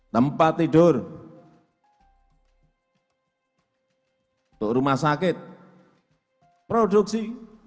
tempat tidur untuk rumah sakit produksi